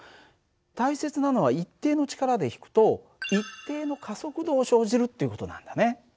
大切なのは一定の力で引くと一定の加速度を生じるっていう事なんだね。